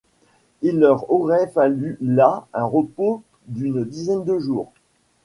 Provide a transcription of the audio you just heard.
Il leur aurait fallu là un repos d’une dizaine de jours.